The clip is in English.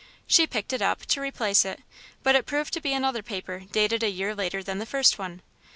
She picked it up, to replace it, but it proved to be another paper dated a year later than the first one.